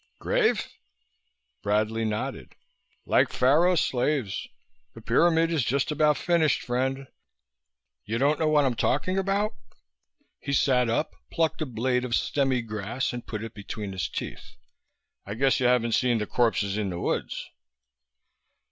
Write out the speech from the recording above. "Grave?" Bradley nodded. "Like Pharaoh's slaves. The pyramid is just about finished, friend. You don't know what I'm talking about?" He sat up, plucked a blade of stemmy grass and put it between his teeth. "I guess you haven't seen the corpses in the woods."